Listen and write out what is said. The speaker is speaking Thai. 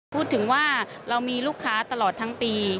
พูดถึงว่าเรามีลูกค้าตลอดทั้งปี